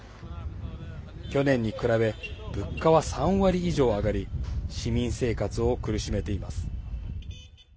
去年に比べ物価は３割以上、上がり市民生活を苦しめています。